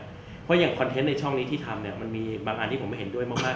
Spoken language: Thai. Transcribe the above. เพราะอย่างคอนเทนต์ในช่องนี้ที่ทำเนี่ยมันมีบางอันที่ผมเห็นด้วยมาก